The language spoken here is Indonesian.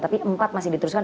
tapi empat masih diteruskan